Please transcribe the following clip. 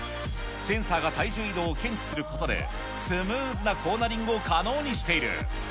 センサーが体重移動を検知することで、スムーズなコーナリングを可能にしている。